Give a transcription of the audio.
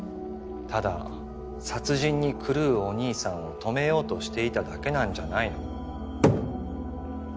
ただ殺人に狂うお兄さんを止めようとしていただけなんじゃないの？